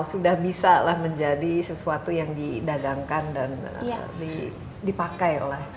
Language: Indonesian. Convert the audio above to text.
sudah bisa lah menjadi sesuatu yang didagangkan dan dipakai oleh